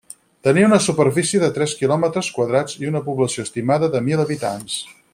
Tenia una superfície de tres kilòmetres quadrats i una població estimada de mil habitants.